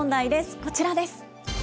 こちらです。